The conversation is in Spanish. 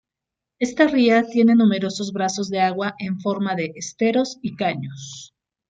Esta ría tiene numerosos brazos de agua en forma de esteros y caños.